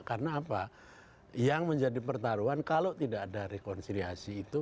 karena apa yang menjadi pertaruhan kalau tidak ada rekonsiliasi itu